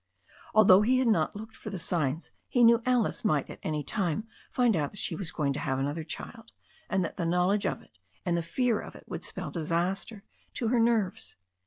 Although he had not looked for signs he knew Alice might at any time find out that she was going to have another child, and that the knowledge of it and the fear of it would spell disaster to her nerves.